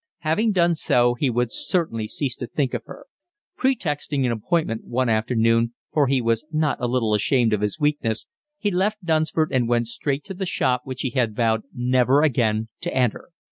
Having done so he would certainly cease to think of her. Pretexting an appointment one afternoon, for he was not a little ashamed of his weakness, he left Dunsford and went straight to the shop which he had vowed never again to enter.